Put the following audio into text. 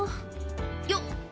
よっ！